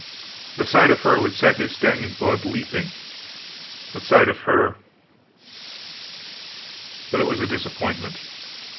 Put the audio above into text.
The sight of her would set his stagnant blood leaping; the sight of her But it was a disappointment.